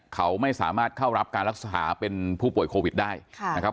เขาไม่สามารถเข้ารับการรักษาเป็นผู้ป่วยโควิดได้นะครับ